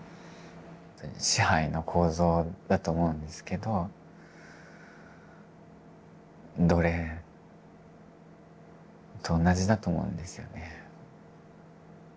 支配の構造だと思うんですけど奴隷と同じだと思うんですよね。